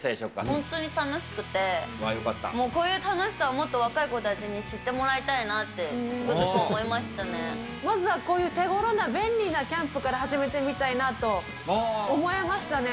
本当に楽しくて、もうこういう楽しさをもっと若い子たちに知ってもらいたいなって、つくづくまずはこういう手ごろな、便利なキャンプから始めてみたいなと思えましたね。